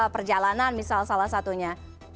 perjalanan misal salah satunya